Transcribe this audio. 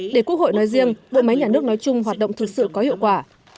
để quốc hội nói riêng bộ máy nhà nước nói chung hoạt động thực sự có hiệu quả